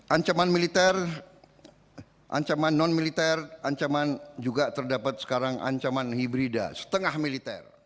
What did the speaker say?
ancaman militer ancaman non militer ancaman juga terdapat sekarang ancaman hibrida setengah militer